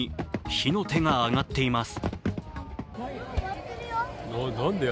火の手が上がっています。